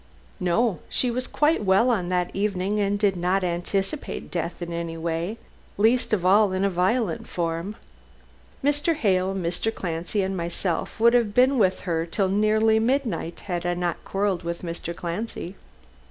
"No. She was quite well on that evening, and did not anticipate death in any way least of all in a violent form. Mr. Hale, Mr. Clancy and myself would have been with her till nearly midnight had I not quarrelled with Mr. Clancy.